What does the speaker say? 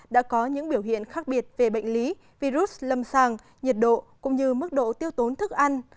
đã có những biểu hiện khác biệt về bệnh lý virus lâm sàng nhiệt độ cũng như mức độ tiêu tốn thức ăn